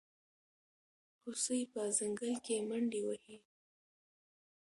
هوسۍ په ځنګل کې منډې وهي.